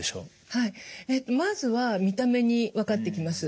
はいまずは見た目に分かってきます。